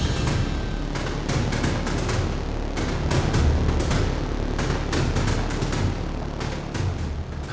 melakukan pelecehan terhadap jessica